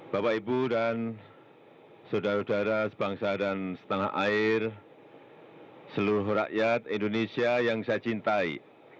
bapak ibu dan saudara saudara sebangsa dan setengah air seluruh rakyat indonesia yang saya cintai